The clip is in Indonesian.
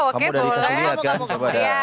kamu dari keseluruhan